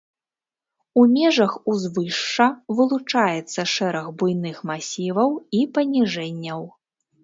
У межах узвышша вылучаецца шэраг буйных масіваў і паніжэнняў.